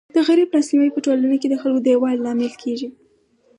د غریب لاس نیوی په ټولنه کي د خلکو د یووالي لامل کيږي.